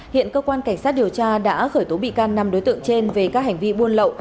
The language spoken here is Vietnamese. hiện cơ quan cảnh sát điều tra đã khởi tố bị can năm đối tượng trên về các hành vi buôn lậu